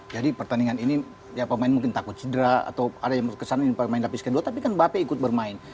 jadi pertandingan ini pemain mungkin takut cedera atau ada yang kesan ini pemain lapis kedua tapi kan bape ikut bermain